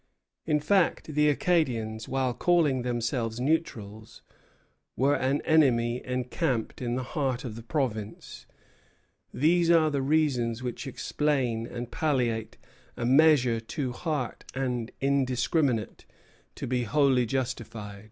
In fact, the Acadians, while calling themselves neutrals, were an enemy encamped in the heart of the province. These are the reasons which explain and palliate a measure too harsh and indiscriminate to be wholly justified.